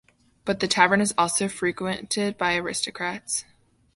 But the tavern is also frequented by aristocrats.